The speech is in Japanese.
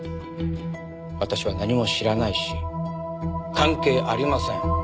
私は何も知らないし関係ありません。